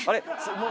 もう。